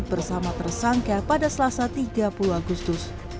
bersama tersangka pada selasa tiga puluh agustus